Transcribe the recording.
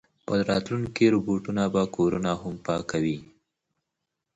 په راتلونکي کې روبوټونه به کورونه هم پاکوي.